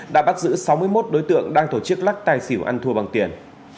đã bắt giữ sáu mươi một đối tượng đang tổ chức lắc tài xỉu ăn thua bằng tiền